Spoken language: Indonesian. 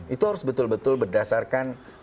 itu harus betul betul berdasarkan